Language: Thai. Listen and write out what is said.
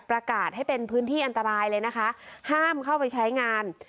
ประกาศให้เป็นพื้นที่อันตรายเลยนะคะห้ามเข้าไปใช้งาน